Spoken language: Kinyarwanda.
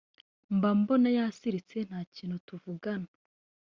mba mbona yasiritse nta kintu tuvugana